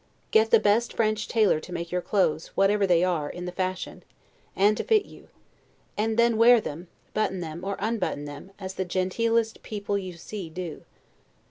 Get the best French tailor to make your clothes, whatever they are, in the fashion, and to fit you: and then wear them, button them, or unbutton them, as the genteelest people you see do.